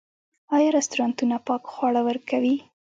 آیا رستورانتونه پاک خواړه ورکوي؟